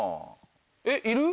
えっいる？